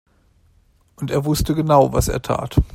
Und er wusste genau, was er tat.